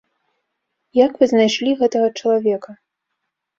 Як вы знайшлі гэтага чалавека?